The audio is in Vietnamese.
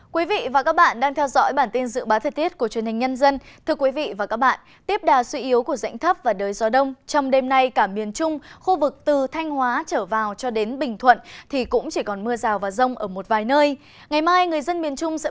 các bạn hãy đăng ký kênh để ủng hộ kênh của chúng mình nhé